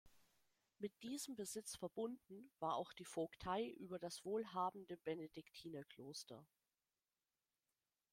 Mit diesem Besitz verbunden war auch die Vogtei über das wohlhabende Benediktinerkloster.